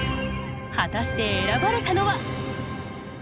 果たして選ばれたのは？